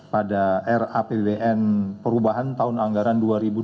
pada rapbn perubahan tahun anggaran dua ribu delapan belas